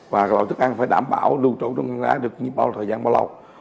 và loại thức ăn phải đảm bảo luôn trụ trong ngang đá được bao thời gian bao lâu